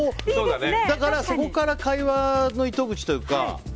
そこから会話の糸口というか。